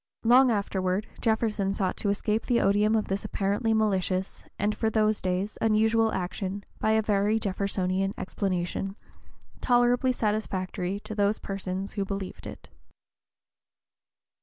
Long afterward Jefferson sought to escape the odium of this apparently malicious and, for those days, unusual action, by a very Jeffersonian explanation, tolerably satisfactory to those persons who believed it.